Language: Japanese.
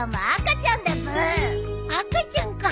赤ちゃんか。